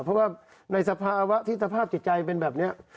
เพราะว่าในสภาวะที่สภาพจิตใจเป็นแบบนี้